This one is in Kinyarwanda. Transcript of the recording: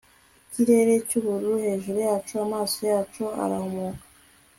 ikirere cyubururu hejuru yacu, amaso yacu arahumuka